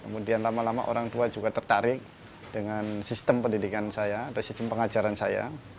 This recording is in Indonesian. kemudian lama lama orang tua juga tertarik dengan sistem pendidikan saya atau sistem pengajaran saya